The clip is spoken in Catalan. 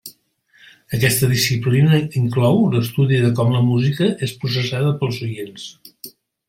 Aquesta disciplina inclou l'estudi de com la música és processada pels oients.